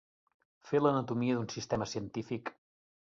Fer l'anatomia d'un sistema científic.